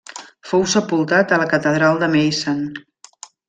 Fou sepultat a la catedral de Meissen.